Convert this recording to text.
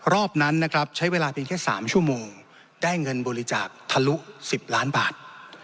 รอบนั้นนะครับใช้เวลาเพียงแค่๓ชั่วโมงได้เงินบริจาคทะลุ๑๐ล้านบาท